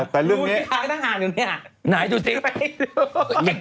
แขี้ยง